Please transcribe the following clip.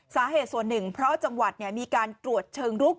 สาเหตุส่วนหนึ่งเพราะจังหวัดมีการตรวจเชิงลุก